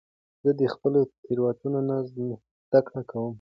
زه د خپلو تیروتنو نه زده کړه کوم.